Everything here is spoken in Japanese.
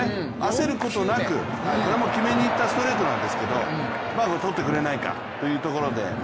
焦ることなく、これも決めにいったストレートなんですけどとってくれないかというところで。